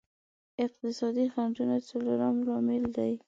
اقتصادي خنډونه څلورم لامل دی.